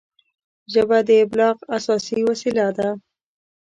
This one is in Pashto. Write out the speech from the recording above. ژبه د ابلاغ اساسي وسیله ده